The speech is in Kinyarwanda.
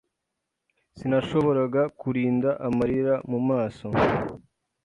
Sinashoboraga kurinda amarira mu maso.